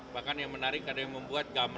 bahkan yang menarik adalah yang membuat